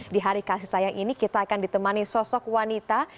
di hari kasih sayang ini kita akan ditemani sosok wanita